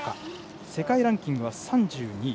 世界ランキングは３２位。